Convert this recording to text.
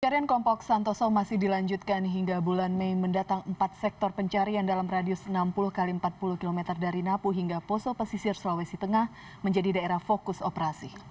pencarian kelompok santoso masih dilanjutkan hingga bulan mei mendatang empat sektor pencarian dalam radius enam puluh x empat puluh km dari napu hingga poso pesisir sulawesi tengah menjadi daerah fokus operasi